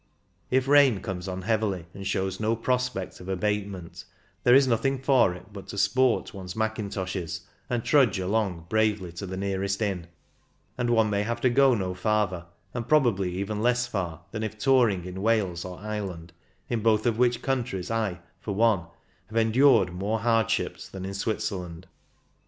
If rain comes on heavily, and shows no prospect of abatement, there is nothing for it but to sport one's mackintoshes and trudge along b«*avely to the nearest inn ; and one may have to go no farther, and probably even less far, than if touring in Wales or Ireland, in both of which countries I, for one, have endured more hardships than in Switzerland.